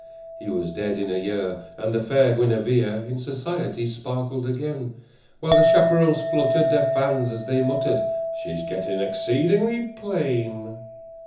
He was dead in a year, And the fair Guinevere In society sparkled again, While the chaperons fluttered Their fans, as they muttered: "She's getting exceedingly plain!"